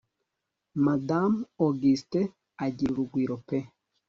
Madame Augustin agira urugwiro pe